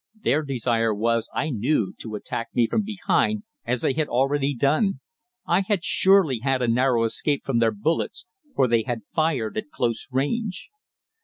Their desire was, I knew, to attack me from behind, as they had already done. I had surely had a narrow escape from their bullets, for they had fired at close range.